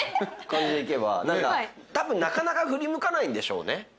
何かたぶんなかなか振り向かないんでしょうね。